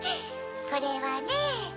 これはね。